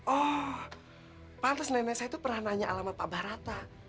oh pantas nenek saya itu pernah nanya alamat pak barata